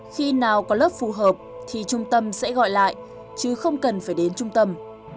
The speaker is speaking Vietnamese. khi nào có lớp phù hợp thì trung tâm sẽ gọi lại chứ không cần phải đến trung tâm